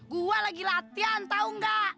gua lagi latihan tau nggak